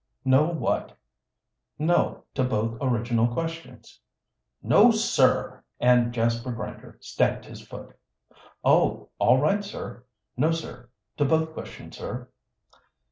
"No, what?" "No, to both original questions." "No, sir!" and Jasper Grinder stamped his foot. "Oh! All right, sir. No, sir, to both questions, sir."